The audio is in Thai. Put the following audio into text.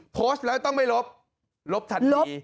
โพสต์แล้วต้องไม่ลบลบทันที